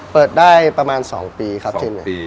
เปิดได้ประมาณ๒ปีครับทีนี้